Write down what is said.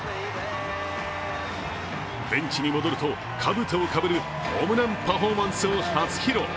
ベンチに戻ると、かぶとをかぶるホームランパフォーマンスを初披露。